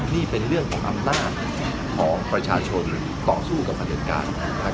นี่เป็นเรื่องของอำนาจของประชาชนหรือต่อสู้กับประเด็จการ